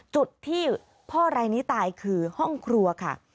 จุดที่พ่อรายนี้ตายคือห้องครัวค่ะ